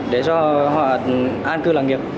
để mua căn hộ